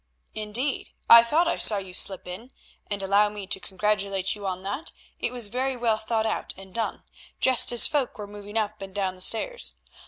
"Indeed. I thought I saw you slip in, and allow me to congratulate you on that; it was very well thought out and done, just as folk were moving up and down the stairs.